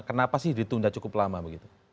kenapa sih ditunda cukup lama begitu